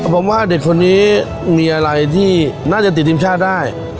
ผมว่าเด็กคนนี้มีอะไรที่น่าจะติดทีมชาติได้